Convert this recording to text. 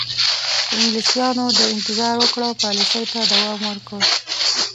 انګلیسیانو د انتظار وکړه پالیسۍ ته دوام ورکړ.